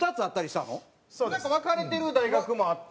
なんか分かれてる大学もあったり。